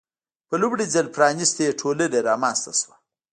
په لومړي ځل پرانیستې ټولنه رامنځته شوه.